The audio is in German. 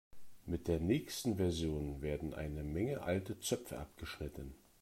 Mit der nächsten Version werden eine Menge alte Zöpfe abgeschnitten.